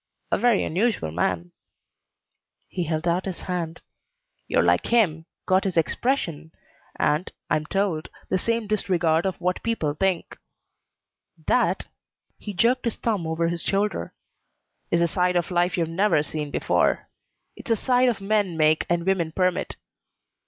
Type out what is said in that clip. A very unusual man." He held out his hand. "You're like him, got his expression, and, I'm told, the same disregard of what people think. That" he jerked his thumb over his shoulder "is a side of life you've never seen before. It's a side men make and women permit.